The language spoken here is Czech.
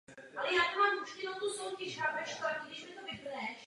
Poprvé ho zahrála americká rádia a poté se rozšířil do světa.